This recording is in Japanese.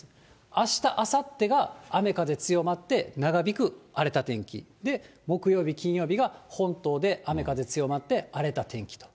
あした、あさってが雨風強まって、長引く荒れた天気で、木曜日、金曜日が本島で雨風強まって、荒れた天気と。